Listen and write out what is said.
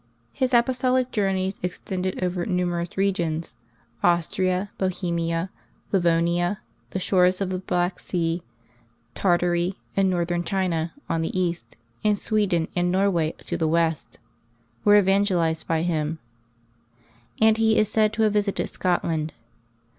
His apostolic journeys extended over numerous regions. Austria, Bohemia, Livonia, the shores of the Black Sea, Tartary, and Northern China on the east, and Sweden and Norway to the west, were evangelized by him, and he is said to have visited Scotland.